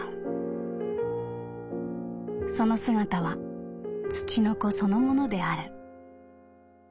その姿は『つちのこ』そのものである」。